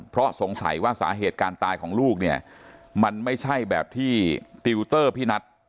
เพราะสงสัยว่าสาเหตุการณ์ตายของลูกเนี่ยมันไม่ใช่แบบที่ติวเตอร์พี่นัท